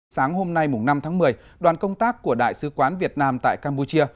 sáng hôm nay năm tháng một mươi đoàn công tác của đại sứ quán việt nam tại campuchia